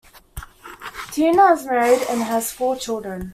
Tina is married and has four children.